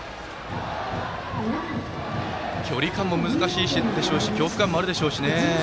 距離感も難しいでしょうし恐怖感もあるでしょうしね。